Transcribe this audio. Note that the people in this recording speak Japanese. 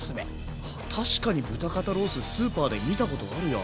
確かに豚肩ローススーパーで見たことあるや。